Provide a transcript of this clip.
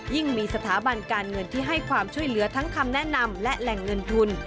มีสถาบันการเงินที่ให้ความช่วยเหลือทั้งคำแนะนำและแหล่งเงินทุน